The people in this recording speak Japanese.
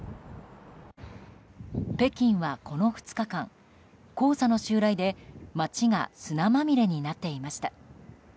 北京はこの２日間黄砂の襲来で街が砂まみれになっていました。